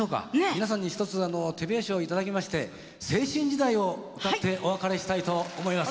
皆さんにひとつあの手拍子を頂きまして「青春時代」を歌ってお別れしたいと思います。